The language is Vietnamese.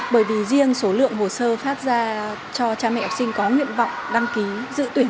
bởi vì riêng số lượng hồ sơ phát ra cho cha mẹ học sinh có nguyện vọng đăng ký dự tuyển